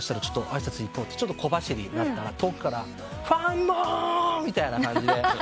挨拶行こう」って小走りになったら遠くから「ファンモン！」みたいな感じで。